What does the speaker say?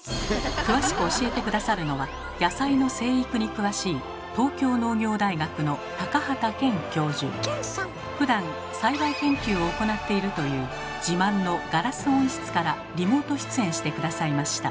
詳しく教えて下さるのは野菜の生育に詳しいふだん栽培研究を行っているという自慢のガラス温室からリモート出演して下さいました。